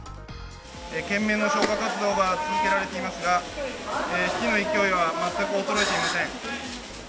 懸命の消火活動が続けられていますが、火の勢いは全く衰えていません。